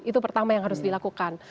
itu pertama yang harus dilakukan